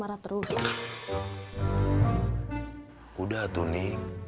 peri memerlukan ik aviation karantina